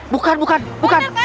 bukan bukan bukan